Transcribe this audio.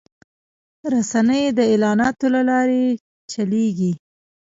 رسنۍ د اعلاناتو له لارې چلېږي